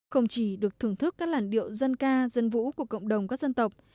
không chỉ được thưởng thức các làn điệu dân ca dân vũ của cộng đồng các dân tộc